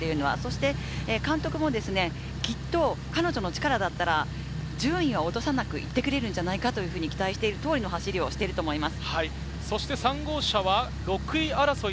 監督もきっと、彼女の力だったら順位は落とさず行ってくれるというふうに期待をしている通りの走りをしていると思います。